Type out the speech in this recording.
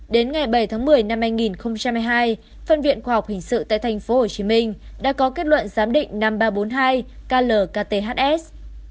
đến ngày bảy tháng một mươi năm hai nghìn hai mươi hai phân viện khoa học hình sự tại tp hcm đã có kết luận giám định năm nghìn ba trăm bốn mươi hai klkhs